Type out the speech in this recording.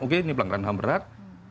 oke ini pelanggaran ham berat